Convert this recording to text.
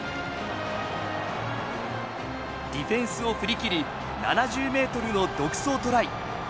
ディフェンスを振り切り７０メートルの独走トライ。